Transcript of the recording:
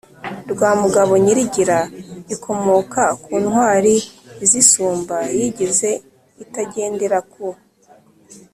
rwa mugabo nyirigira: ikomoka ku ntwari izisumba, yigize (itagendera ku